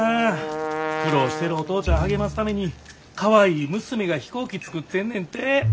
苦労してるお父ちゃん励ますためにかわいい娘が飛行機作ってんねんて。